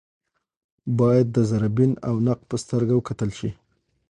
باید د ذره بین او نقد په سترګه وکتل شي